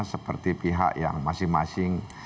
seperti pihak yang masing masing